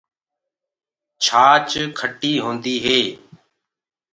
ڇآچ کٽيٚ هوندي هي۔